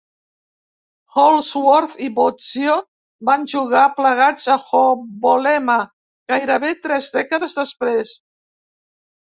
Holdsworth i Bozzio van jugar plegats a HoBoLeMa gairebé tres dècades després.